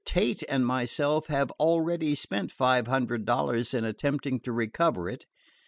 Tate and myself have already spent five hundred dollars in attempting to recover it.